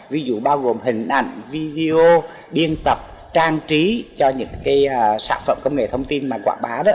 ví dụ bao gồm hình ảnh video biên tập trang trí cho những cái sản phẩm công nghệ thông tin mà quảng bá đó